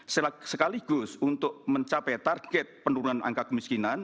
sekaligus untuk mencapai target penurunan angka kemiskinan